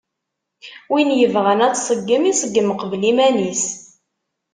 Win yebɣan ad tṣeggem, iṣeggem qbel iman-is.